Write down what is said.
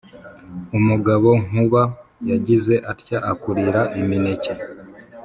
umugabo nkuba yagize atya akurira imineke